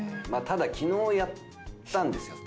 ただ昨日やったんですよ。